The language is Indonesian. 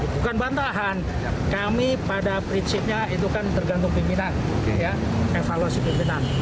bukan bantahan kami pada prinsipnya itu kan tergantung pimpinan evaluasi pimpinan